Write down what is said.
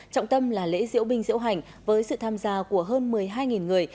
trọng tâm là lễ diễu binh diễu hành với sự tham gia của hơn một mươi hai người